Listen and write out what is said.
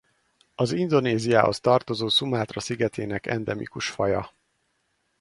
Az Indonéziához tartozó Szumátra szigetének endemikus faja.